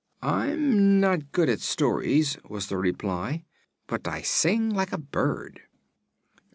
"I'm not good at stories," was the reply; "but I sing like a bird."